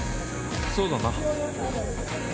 そうだな。